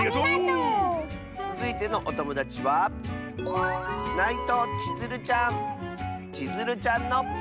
つづいてのおともだちはちづるちゃんの。